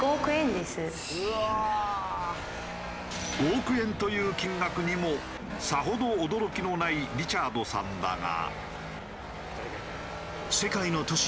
５億円という金額にもさほど驚きのないリチャードさんだが。